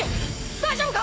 大丈夫か！？